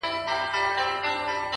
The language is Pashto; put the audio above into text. د ژوند ښکلا په ګټورتیا کې ده,